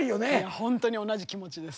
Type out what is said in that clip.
ホントに同じ気持ちです